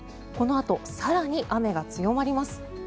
このあと更に雨が強まります。